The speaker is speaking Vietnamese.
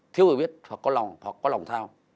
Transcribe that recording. thiếu quyết hoặc có lòng tham